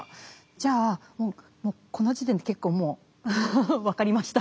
じゃあもうもうこの時点で結構もう分かりました。